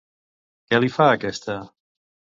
Què li fa aquesta?